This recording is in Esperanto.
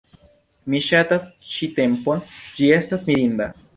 Mi ŝatas ĉi tempon, ĝi estas mirinda...